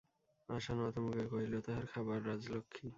আশা নতমুখে কহিল, তাঁহার খাবার– রাজলক্ষ্মী।